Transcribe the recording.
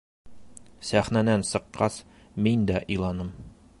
Сәхнәнән сыҡҡас, мин дә иланым.